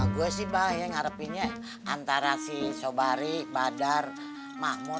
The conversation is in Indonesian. gue sih pak yang ngarepinnya antara si sobari badar mahmud